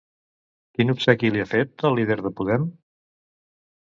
Quin obsequi li ha fet al líder de Podem?